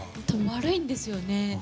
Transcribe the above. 悪いんですよね。